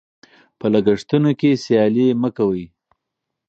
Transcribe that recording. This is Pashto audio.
په لګښتونو کې سیالي مه کوئ.